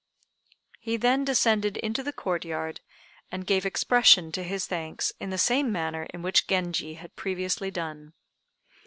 He then descended into the Court yard, and gave expression to his thanks in the same manner in which Genji had previously done.